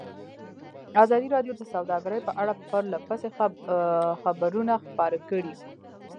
ازادي راډیو د سوداګري په اړه پرله پسې خبرونه خپاره کړي.